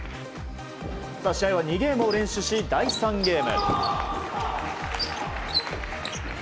試合は２ゲームを連取し第３ゲーム。